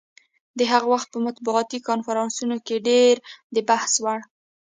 د هغه وخت په مطبوعاتي کنفرانسونو کې ډېر د بحث وړ.